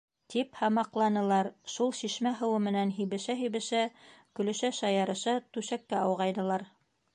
Тип һамаҡланылар, шул шишмә һыуы менән һибешә-һибешә, көлөшә-шаярыша түшәккә ауғайнылар.